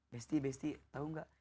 besti besti tau gak